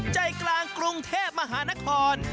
ใจกลางกรุงเทพมหานคร